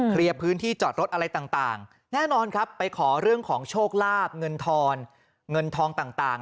เคลียบพื้นที่จอดรถอะไรต่างแน่นอนครับไปขอเรื่องของโชคลาภเงินทองต่าง